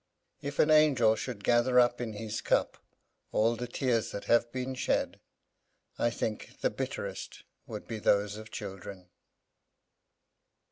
If an angel should gather up in his cup all the tears that have been shed, I think the bitterest would be those of children.